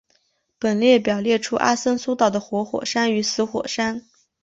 本列表列出阿森松岛的活火山与死火山。